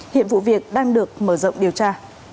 hiện vụ việc đang được mở rộng điều tra